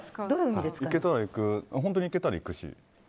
行けたら行くは本当に行けたら行くし。